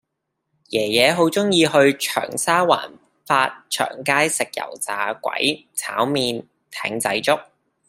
爺爺好鍾意去長沙灣發祥街食油炸鬼炒麵艇仔粥